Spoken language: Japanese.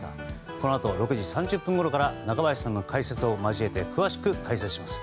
このあと６時３０分ごろから中林さんの解説を交えて詳しく解説します。